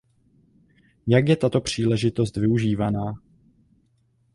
Jak je tato příležitost využívaná?